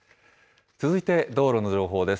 続いて道路の情報です。